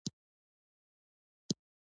د چاپېریال پاک ساتل زموږ دنده ده.